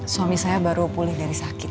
suami saya baru pulih dari sakit